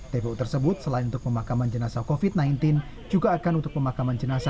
tpu tersebut selain untuk pemakaman jenazah covid sembilan belas juga akan untuk pemakaman jenazah